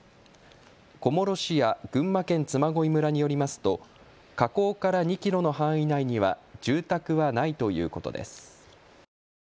小諸市や群馬県嬬恋村によりますと火口から２キロの範囲内には住宅はないということです。